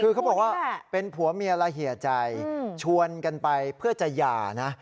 คือเขาบอกว่าเป็นผัวเมียละเหี่ยใจชวนกันไปเพื่อจะหย่านะ